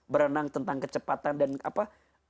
berenang tentang kecepatan dan apa